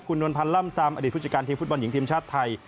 คุณนวลพันธ์ล่ำซามอดีตผู้จัดการทีมฟุตบอลหญิงทีมชาติไทย